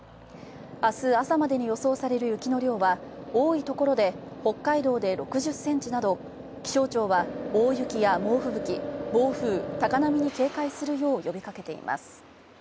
あす朝までに予想される雪の量は多い所で北海道で６０センチなど気象庁は大雪や猛ふぶき、暴風、高波に警戒するよう呼びかけています。